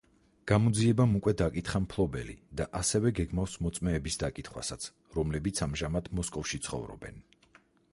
გამოძიებამ უკვე დაკითხა მფლობელი და ასევე გეგმავს მოწმეების დაკითხვასაც, რომლებიც ამჟამად მოსკოვში ცხოვრობენ.